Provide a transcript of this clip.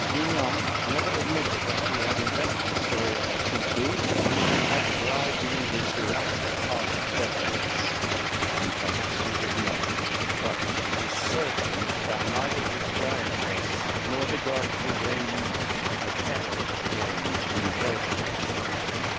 Vignan never admitted that he had invented the story of the Gougou, and had bribed the Indians who acted the part of devils, and perhaps he did not, but it is certain that neither the giantess nor the god Cudraigny has ever again been heard from.